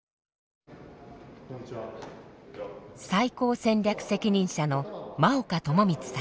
最高戦略責任者の真岡朋光さん。